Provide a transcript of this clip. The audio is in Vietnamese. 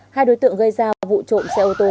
hai đối tượng gây ra vụ trộm xe ô tô